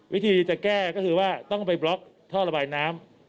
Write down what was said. วิธีจะแก้ก็คือว่าต้องไปบล็อกท่อระบายน้ำ